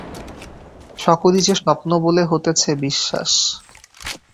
সকলি যে স্বপ্ন বলে হতেছে বিশ্বাস।